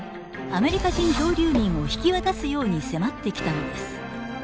アメリカ人漂流民を引き渡すように迫ってきたのです。